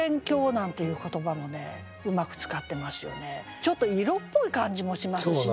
ちょっと色っぽい感じもしますしね。